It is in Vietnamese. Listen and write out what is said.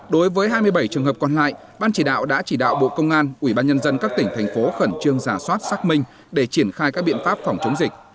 đối với hai mươi bảy trường hợp còn lại ban chỉ đạo đã chỉ đạo bộ công an ủy ban nhân dân các tỉnh thành phố khẩn trương giả soát xác minh để triển khai các biện pháp phòng chống dịch